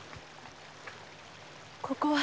ここは？